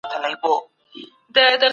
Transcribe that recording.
موږ باید د خپل هېواد تاریخ هېر نه کړو.